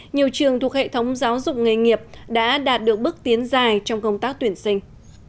nhiều trường thuộc hệ thống giáo dục nghề nghiệp đã đạt được bước tiến dài trong công tác tuyển sinh